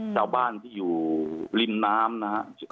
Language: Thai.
ชาวบ้านที่อยู่ริมน้ำนะครับ